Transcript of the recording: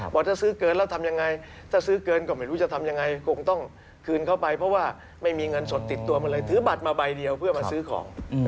ว่าถ้าซื้อเกินแล้วทำยังไงถ้าซื้อเกินก็ไม่รู้จะทำยังไงคงต้องคืนเข้าไปเพราะว่าไม่มีเงินสดติดตัวมาเลยถือบัตรมาใบเดียวเพื่อมาซื้อของ